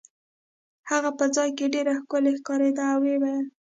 هغه په ځای کې ډېره ښکلې ښکارېده او ویې ویل.